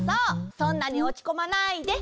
そんなにおちこまないで！